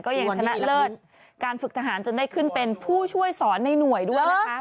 ชนะเลิศการฝึกทหารจนได้ขึ้นเป็นผู้ช่วยสอนในหน่วยด้วยนะคะ